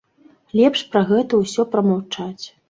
Лепш пра гэта ўсё прамаўчаць.